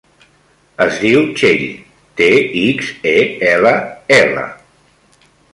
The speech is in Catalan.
Es diu Txell: te, ics, e, ela, ela.